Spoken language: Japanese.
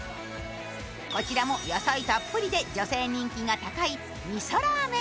こちらも野菜たっぷりで女性人気が高い味噌ラーメン